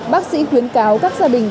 bác sĩ khuyến cáo các gia đình